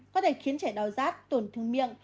có thể khiến trẻ đau rát tổn thương miệng